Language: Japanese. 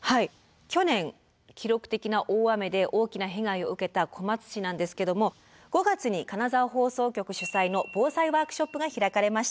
去年記録的な大雨で大きな被害を受けた小松市なんですけども５月に金沢放送局主催の防災ワークショップが開かれました。